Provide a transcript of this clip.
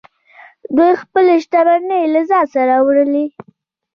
دوی خپلې شتمنۍ له ځان سره وړلې